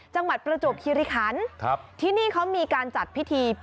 จังหวัดประจบคิริคันที่นี่เขามีการจัดพิธี